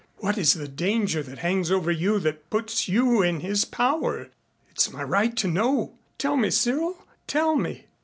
What is the danger that hangs over you that puts you in his power? It's my right to know. Tell me, Cyril. Tell me."